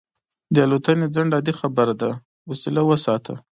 د الوتنې ځنډ عادي خبره ده، حوصله وساته.